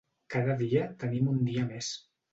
Cada dia tenim un dia més.